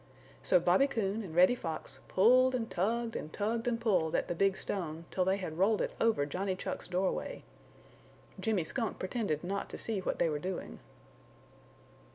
So Bobby Coon and Reddy Fox pulled and tugged and tugged and pulled at the big stone till they had rolled it over Johnny Chuck's doorway. Jimmy Skunk pretended not to see what they were doing.